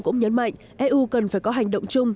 cũng nhấn mạnh eu cần phải có hành động chung